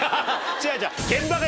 違う違う。